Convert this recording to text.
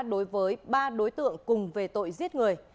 đối với ba đối tượng cùng về tội dự